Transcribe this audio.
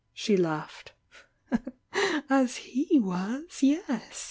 She laughed. "As he was, — yes!"